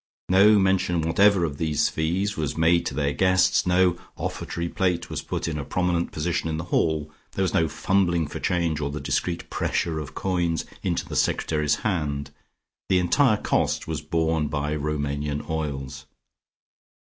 No mention whatever of these fees was made to their guests, no offertory plate was put in a prominent position in the hall, there was no fumbling for change or the discreet pressure of coins into the secretary's hand; the entire cost was borne by Roumanian oils.